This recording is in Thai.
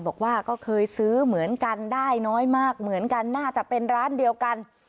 บอกว่าก็เคยซื้อเหมือนกันได้น้อยมากเหมือนกันน่าจะเป็นร้านเดียวกัน